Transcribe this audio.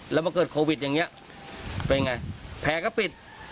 แล้วมาเกิดโควิดอย่างนี้เป็นไงแผลก็ปิด